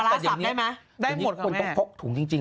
แต่อย่างนี้คุณต้องพกถุงจริง